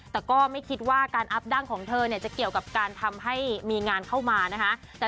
แต่ก็ไม่คิดว่าการอัพดั้งของเธอเนี่ยจะเกี่ยวกับการทำให้มีงานเข้ามานะคะ